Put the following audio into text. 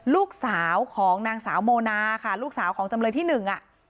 ลูกสาวของนางสาวโมนาค่ะลูกสาวของจำเลยที่หนึ่งอ่ะ